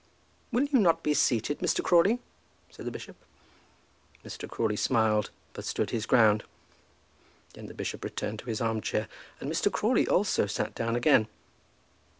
"Will you not be seated, Mr. Crawley?" said the bishop. Mr. Crawley smiled, but stood his ground. Then the bishop returned to his arm chair, and Mr. Crawley also sat down again.